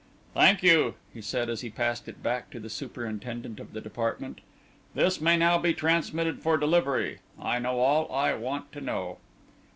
"Thank you," he said, as he passed it back to the Superintendent of the department, "this may now be transmitted for delivery. I know all I want to know."